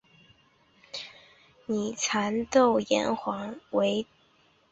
拟蚕豆岩黄耆为豆科岩黄耆属下的一个种。